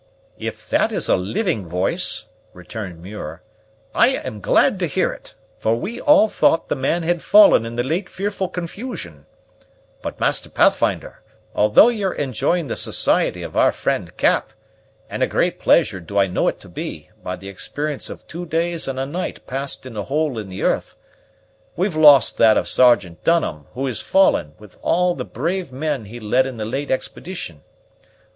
"If that is a living voice," returned Muir, "I am glad to hear it; for we all thought the man had fallen in the late fearful confusion. But, Master Pathfinder, although ye're enjoying the society of our friend Cap, and a great pleasure do I know it to be, by the experience of two days and a night passed in a hole in the earth, we've lost that of Sergeant Dunham, who has fallen, with all the brave men he led in the late expedition.